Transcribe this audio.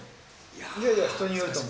いやいや、人によると思う。